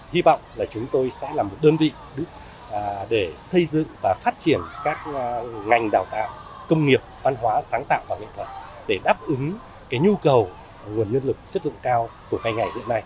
hy vọng là chúng tôi sẽ là một đơn vị để xây dựng và phát triển các ngành đào tạo công nghiệp văn hóa sáng tạo và nghệ thuật để đáp ứng nhu cầu nguồn nhân lực chất lượng cao của hai ngày hiện nay